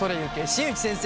新内先生」。